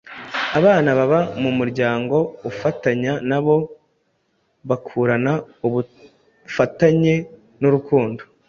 Abana baba mu muryango ufatanya na bo bakurana ubufatanye n’urukundo